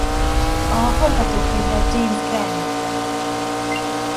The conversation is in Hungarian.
A forgatókönyvet James Graham írta.